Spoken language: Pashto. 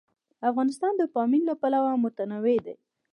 افغانستان د پامیر له پلوه متنوع دی.